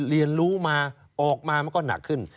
เรียนรู้มาออกมามันก็หนักขึ้น